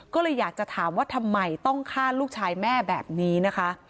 ก็เลยอยากจะถามว่าทำไมต้องฆ่าลูกชายแม่แบบนี้นะคะ